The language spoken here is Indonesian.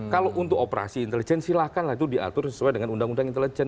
kalau untuk operasi intelijen silahkanlah itu diatur sesuai dengan undang undang intelijen